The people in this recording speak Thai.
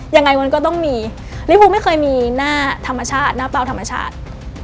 ยังไงมันก็ต้องมีลิภูไม่เคยมีหน้าธรรมชาติหน้าเปล่าธรรมชาติ